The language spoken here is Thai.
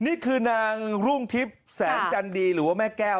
นี่คือนางรุ่งทิพย์แสงจันดีหรือว่าแม่แก้ว